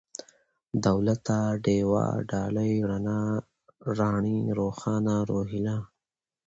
دولته ، ډېوه ، ډالۍ ، رڼا ، راڼۍ ، روښانه ، روهيله